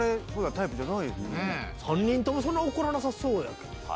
３人ともそんな怒らなそうやけど。